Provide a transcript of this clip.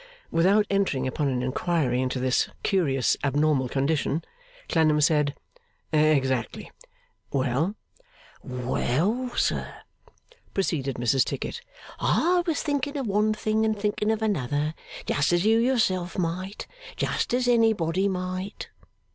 Without entering upon an inquiry into this curious abnormal condition, Clennam said, 'Exactly. Well?' 'Well, sir,' proceeded Mrs Tickit, 'I was thinking of one thing and thinking of another, just as you yourself might. Just as anybody might.